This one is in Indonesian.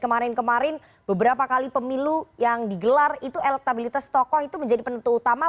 kemarin kemarin beberapa kali pemilu yang digelar itu elektabilitas tokoh itu menjadi penentu utama